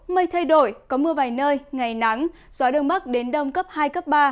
mây thay đổi có mưa vài nơi ngày nắng gió đông bắc đến đông cấp hai cấp ba